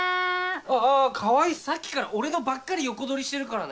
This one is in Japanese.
あ川合さっきから俺のばっかり横取りしてるからね。